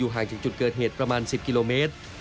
ห่างจากจุดเกิดเหตุประมาณ๑๐กิโลเมตร